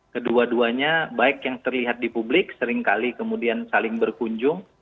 kedua duanya baik yang terlihat di publik seringkali kemudian saling berkunjung